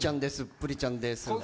プリちゃんです。